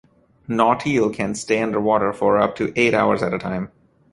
"Nautile" can stay under water for up to eight hours at a time.